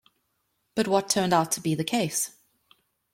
But what turned out to be the case?